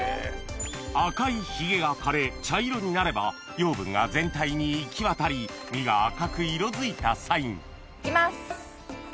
赤いひげが枯れ茶色になれば養分が全体に行き渡り実が赤く色づいたサインいきます！